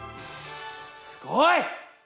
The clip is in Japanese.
すごい！